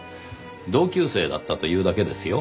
同級生だったというだけですよ。